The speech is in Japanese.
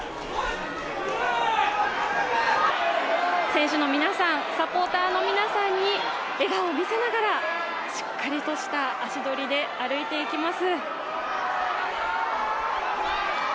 選手の皆さん、サポーターの皆さんに笑顔を見せながらしっかりとした足取りで歩いて行きます。